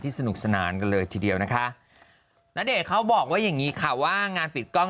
ที่สนุกสนานกันเลยทีเดียวบอกว่าอย่างงี้ว่างานปิดกล้อง